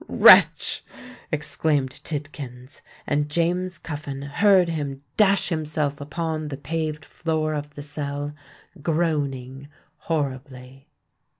"Wretch!" exclaimed Tidkins; and James Cuffin heard him dash himself upon the paved floor of the cell, groaning horribly.